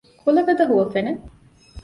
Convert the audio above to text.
ކުލަގަދަ ހުވަފެނެއް